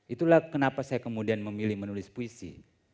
itulah kenapa saya kemudian memilih menulis puisi